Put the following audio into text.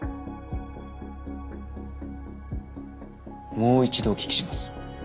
もう一度お聞きします。